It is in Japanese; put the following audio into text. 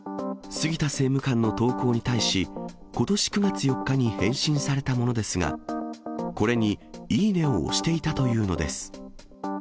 杉田政務官の投稿に対し、ことし９月４日に返信されたものですが、これにいいねを押していたというのです。